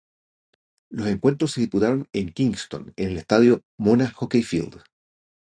Los encuentros se disputaron en Kingston en el estadio Mona Hockey Field.